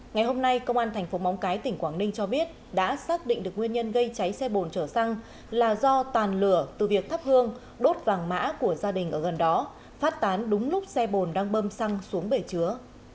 ngày hôm nay công an thành phố móng cái tỉnh quảng ninh cho biết đã xác định được nguyên nhân gây cháy xe bồn chở xăng là do tàn lửa từ việc thắp hương đốt vàng mã của gia đình ở gần đó phát tán đúng lúc xe bồn đang bơm xăng xuống bể chứa